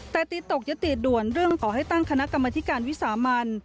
แต่ตีตกยติด่วนเรื่องขอให้ตั้งคณะกรรมธิการวิสามัน